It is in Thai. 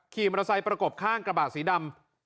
ขี่มอเตอร์ไซค์ประกบข้างกระบะสีดำ